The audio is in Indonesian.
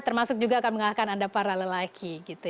termasuk juga akan mengalahkan anda para lelaki